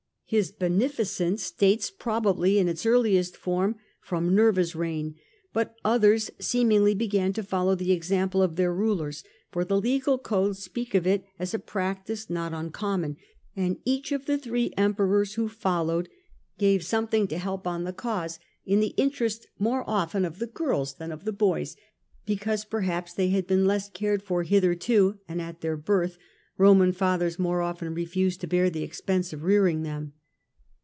His benehcence dates probably in its earliest form from Nerva's reign, but others seemingly began to follow the example of their rulers, for the legal codes speak of it as a practice not uncommon ; and each of the three Emperors who followed gave something to help on 97 117 21 Trajan, the cause, in the interest more often of the girls than of the boys, because perhaps they had been less cared for hitherto, and at their birth Roman fathers more often refused to bear the expense of rearing them.